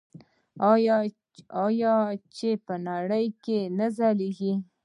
آیا چې په نړۍ کې نه ځلیږي؟